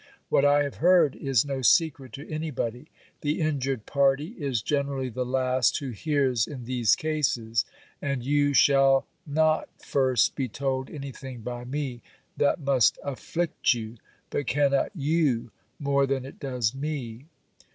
What I have heard, is no secret to any body. The injured party is generally the last who hears in these cases, and you shall not first be told anything by me that must afflict you, but cannot you, more than it does me.